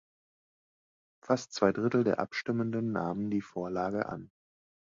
Fast zwei Drittel der Abstimmenden nahmen die Vorlage an.